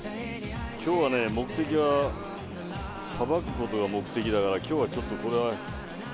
今日はね目的はさばくことが目的だから今日はちょっとこれは。